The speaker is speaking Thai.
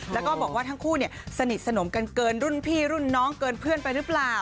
แล้วก็บอกว่าทั้งคู่สนิทสนมกันเกินรุ่นพี่รุ่นน้องเกินเพื่อนไปหรือเปล่า